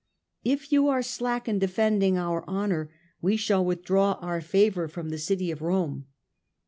If you are slack in defending our honour we shall withdraw our favour from the city of Rome."